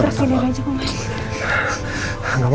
terus sudah gaji panggil